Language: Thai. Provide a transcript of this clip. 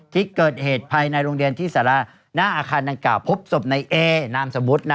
ที่เกิดเหตุภายในโรงเรียนที่สาระหน้าอาคารดังกล่าวพบศพในเอนามสมมุติ